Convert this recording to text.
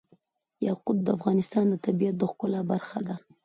یاقوت د افغانستان د طبیعت د ښکلا برخه ده.